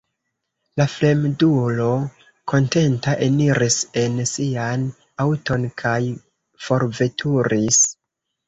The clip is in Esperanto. La fremdulo, kontenta, eniris en sian aŭton kaj forveturis.